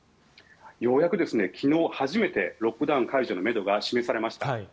ようやく昨日初めてロックダウン解除のめどが示されました。